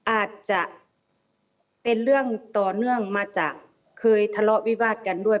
อาจจะเป็นเรื่องต่อเนื่องมาจากเคยทะเลาะวิวาดกันด้วย